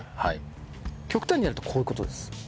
極端にやるとこういう事です。